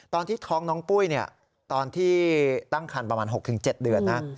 ตอนที่ท้องน้องปุ้ยตอนที่ตั้งคันประมาณ๖๗เดือนนะ